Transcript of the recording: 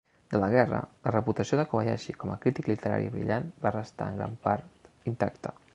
De la guerra, la reputació de Kobayashi com a crític literari brillant va restar en gran part intacta.